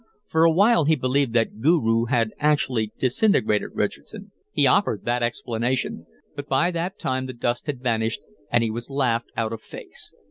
For a while he believed that Guru had actually disintegrated Richardson; he offered that explanation, but by that time the dust had vanished, and he was laughed out of face.